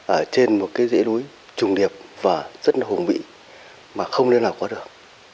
ở trên một dĩa núi trùng điệp và rất là hùng mỹ mà không nên là có được